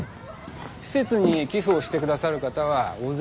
施設に寄付をして下さる方は大勢います。